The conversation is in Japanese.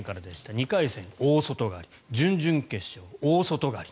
２回戦、大外刈り準々決勝、大外刈り。